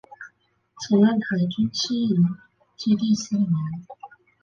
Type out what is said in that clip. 曾任海军西营基地司令员。